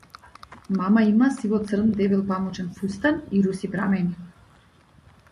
Мама има сиво-црн дебел памучен фустан и руси прамени.